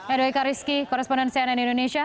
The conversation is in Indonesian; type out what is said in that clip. edoika rizky koresponden cnn indonesia